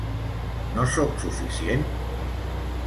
No sóc suficient?